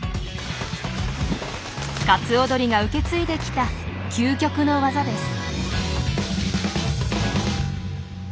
カツオドリが受け継いできた究極の技です。